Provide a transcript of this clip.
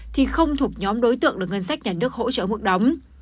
thì không thuộc nhóm đối tượng được ngân sách nhà nước hỗ trợ mức đóng